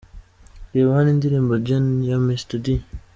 Reba hano indirimbo'Jeanne' ya Mr D .